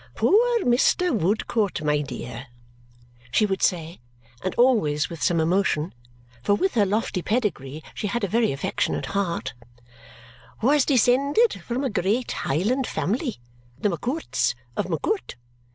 "Poor Mr. Woodcourt, my dear," she would say, and always with some emotion, for with her lofty pedigree she had a very affectionate heart, "was descended from a great Highland family, the MacCoorts of MacCoort.